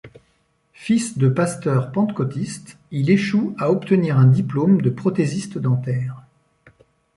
Fils de pasteur pentecôtiste, il échoue à obtenir un diplôme de prothésiste dentaire.